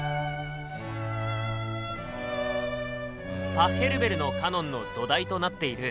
パッヘルベルの「カノン」の土台となっている